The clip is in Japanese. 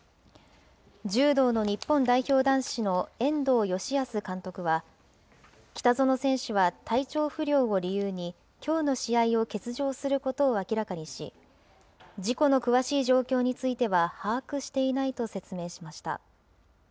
柔道の日本代表男子の遠藤義安監督は、北薗選手は体調不良を理由に、きょうの試合を欠場することを明らかにし、事故の詳しい状況については把握していないと説明しました。